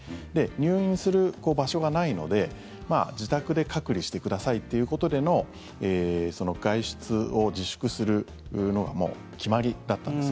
入院する場所がないので自宅で隔離してくださいっていうことでの外出を自粛するのがもう決まりだったんです。